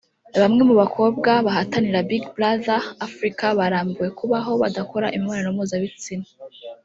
bamwe mu bakobwa bahatanira Big Brother Africa barambiwe kubaho badakora imibonano mpuzabitsina